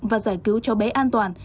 và giải cứu cháu bé an toàn